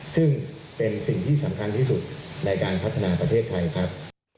ซึ่งเป็นสิ่งที่สำคัญที่สุดในการพัฒนาประเทศไทยครับ